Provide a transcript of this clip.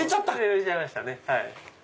売れちゃいましたね。